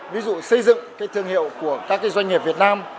ví dụ xây dựng cái thương hiệu của các doanh nghiệp việt nam